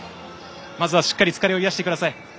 まずはしっかり疲れを癒やしてください。